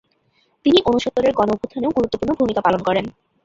তিনি ঊনসত্তরের গণ-অভ্যুত্থানেও গুরুত্বপূর্ণ ভূমিকা পালন করেন।